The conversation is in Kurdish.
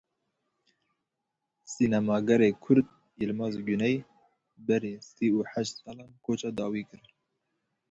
Sînemagerê Kurd Yilmaz Guney berî sî û heşt salan koça dawî kir.